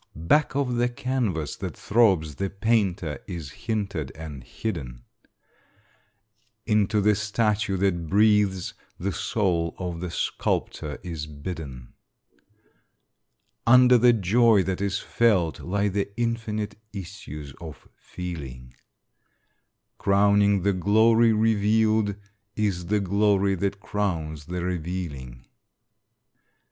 Back of the canvas that throbs, the painter is hinted and hidden; Into the statue that breathes, the soul of the sculptor is bidden; Under the joy that is felt, lie the infinite issues of feeling; Crowning the glory revealed, is the glory that crowns the revealing.